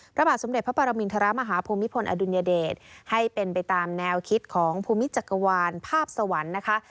พระบาทสมเด็จพระปรมินทรมาฮภูมิพลอดุลยเดชให้เป็นไปตามแนวคิดของภูมิจักรวาลภาพสวรรค์นะคะ